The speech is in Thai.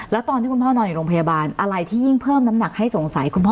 แล้วตอนที่คุณพ่อนอนอยู่โรงพยาบาลอะไรที่ยิ่งเพิ่มน้ำหนักให้สงสัยคุณพ่อ